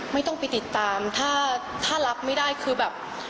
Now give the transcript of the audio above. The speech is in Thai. ไม่ต้องไปติดตามถ้ารับไม่ได้คือแบบ